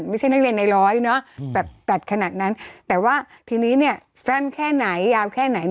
ไม่ใช่นักเรียนในร้อยเนอะแบบตัดขนาดนั้นแต่ว่าทีนี้สั้นแค่ไหนยาวแค่ไหน